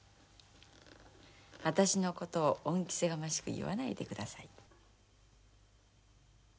私の事を恩着せがましく言わないでください。